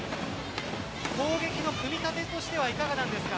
攻撃の組み立てとしてはいかがなんですか？